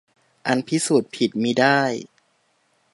อันพิสูจน์ผิดมิได้